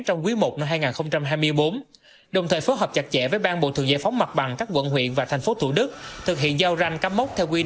trong quý i năm hai nghìn hai mươi bốn